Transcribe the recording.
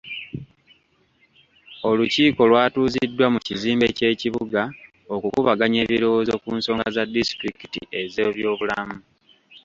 Olukiiko lwatuuziddwa mu kizimbe ky'ekibuga okukubaganya ebirowoozo ku nsonga za disituliki ez'ebyobulamu.